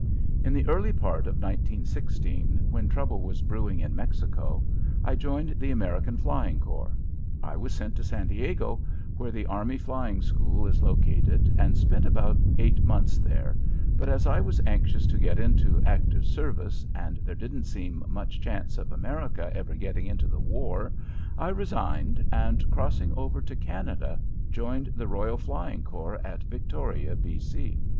In the early part of 1916, when trouble was brewing in Mexico, I joined the American Flying Corps. I was sent to San Diego, where the army flying school is located, and spent about eight months there, but as I was anxious to get into active service and there didn't seem much chance of America ever getting into the war, I resigned and, crossing over to Canada, joined the Royal Flying Corps at Victoria, B. C.